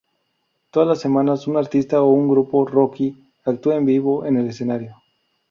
Todas las semanas, un artista o grupo "rookie" actúa en vivo en el escenario.